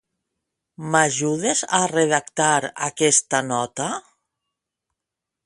M'ajudes a redactar aquesta nota?